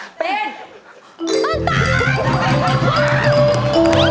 เก็บแยกเหลือกัน